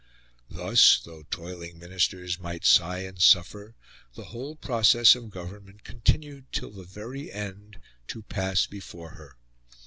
Thus, though toiling Ministers might sigh and suffer, the whole process of government continued, till the very end, to pass before her.